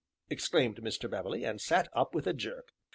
exclaimed Mr. Beverley, and sat up with a jerk.